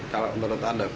kalau menurut anda batik